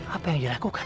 apa yang dilakukan